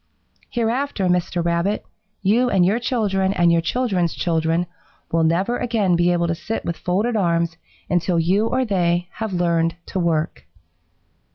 "'Hereafter, Mr. Rabbit, you and your children and your children's children will never again be able to sit with folded arms until you or they have learned to work.'